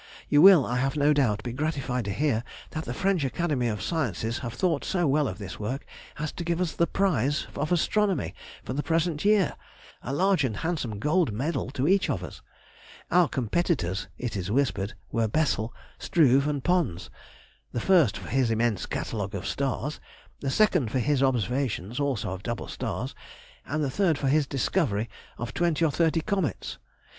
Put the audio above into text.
You will, I have no doubt, be gratified to hear that the French Academy of Sciences have thought so well of this work as to give us the prize of astronomy for the present year (a large and handsome gold medal to each of us). Our competitors, it is whispered, were Bessel, Struve, and Pons, the first for his immense catalogue of stars; the second for his observations, also of double stars; the third for his discovery of twenty or thirty comets.